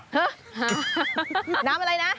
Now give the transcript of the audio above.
ห๊ะน้ำอะไรนะ